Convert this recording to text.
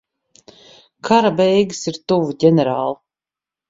Kara beigas ir tuvu, ģenerāl.